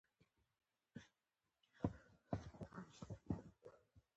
د افغانستان طبیعت په پوره توګه له مزارشریف څخه جوړ شوی دی.